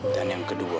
dan yang kedua